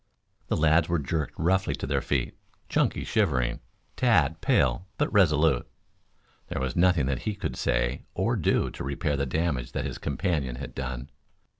The lads were jerked roughly to their feet, Chunky shivering, Tad pale but resolute. There was nothing that he could say or do to repair the damage that his companion had done.